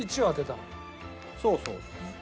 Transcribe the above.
そうそう。